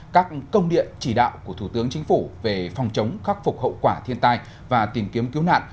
các công điện chỉ đạo của thủ tướng chính phủ về phòng chống khắc phục hậu quả thiên tai và tìm kiếm cứu nạn